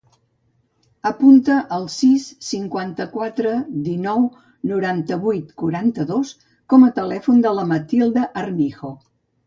Apunta el sis, cinquanta-quatre, dinou, noranta-vuit, quaranta-dos com a telèfon de la Matilda Armijo.